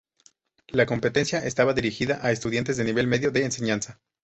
La competencia estaba dirigida a estudiantes de nivel medio de enseñanza.